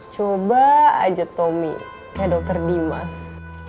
coba aja tommy ya dokter dimas